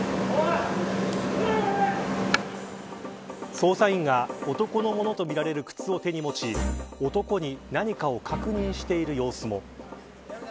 捜査員が、男のものとみられる靴を手に持ち男に何かを確認している様子も。